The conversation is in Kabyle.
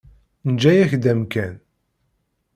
Neǧǧa-yak-d amkan.